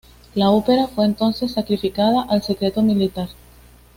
La ópera fue entonces sacrificada al secreto militar.